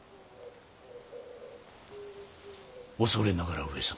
恐れながら上様